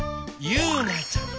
ゆうなちゃん。